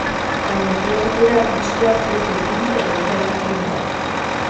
Baina, egia esatera, diskoak ez du ildo edo gai jakin bat.